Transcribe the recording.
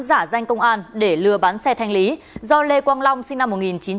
giả danh công an để lừa bán xe thanh lý do lê quang long sinh năm một nghìn chín trăm tám mươi